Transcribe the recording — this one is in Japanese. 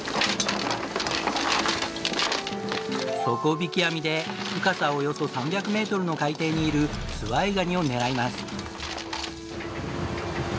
底びき網で深さおよそ３００メートルの海底にいるズワイガニを狙います。